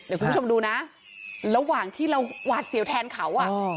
เดี๋ยวคุณผู้ชมดูนะระหว่างที่เราหวาดเสียวแทนเขาอ่ะ